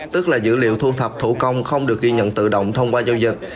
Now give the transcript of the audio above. tức là dữ liệu thu thập thủ công không được ghi nhận tự động thông qua giao dịch